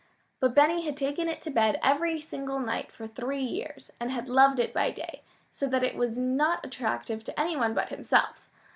But Benny had taken it to bed every single night for three years, and had loved it by day, so that it was not attractive to any one but himself.